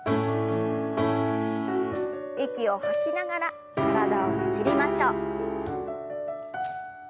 息を吐きながら体をねじりましょう。